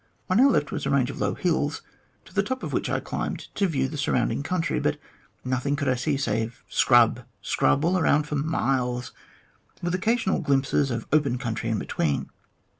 On our left was a range of low hills, to the top of which I climbed to view the surrounding country, but nothing could I see save scrub, scrub, all around for miles, with occasional glimpses of open country between.